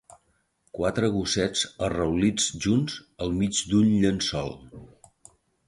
quatre gossets arraulits junts al mig d'un llençol.